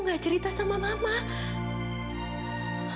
kenapa sih kamu gak cerita sama mama kenapa sih kamu gak cerita sama mama